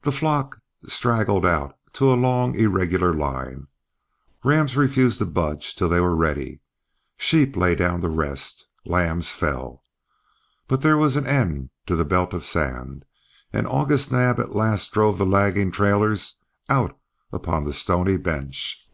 The flock straggled out to a long irregular line; rams refused to budge till they were ready; sheep lay down to rest; lambs fell. But there was an end to the belt of sand, and August Naab at last drove the lagging trailers out upon the stony bench.